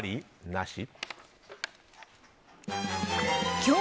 なし？